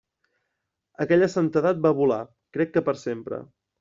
Aquella santedat va volar, crec que per sempre.